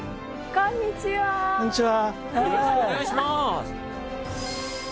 こんにちは。